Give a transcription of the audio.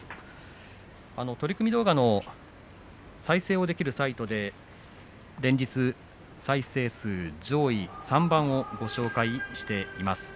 取組動画の再生ができるサイトで連日、再生数上位３番をご紹介しています。